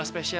oh apaan sih